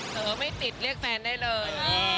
เออไม่ติดเรียกแฟนได้เลย